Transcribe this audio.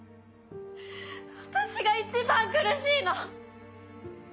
私が一番苦しいの！